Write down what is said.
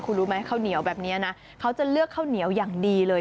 เขาจะเลือกข้าวเหนียวอย่างดีเลย